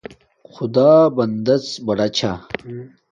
خدݳ بُٹݵڎ بڑݳ چھݳ.